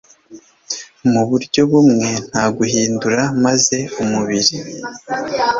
mu buryo bumwe, nta guhindura, maze umubiri